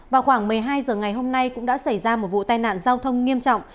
vào khoảng một mươi hai h ngày hôm nay cũng đã xảy ra một vụ tai nạn giao thông nghiêm trọng